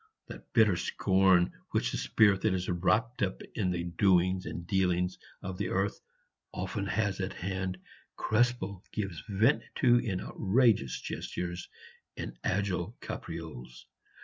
That bitter scorn which the spirit that is wrapped up in the doings and dealings of the earth often has at hand, Krespel gives vent to in outrageous gestures and agile caprioles.